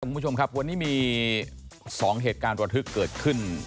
คุณผู้ชมครับวันนี้มี๒เหตุการณ์ระทึกเกิดขึ้น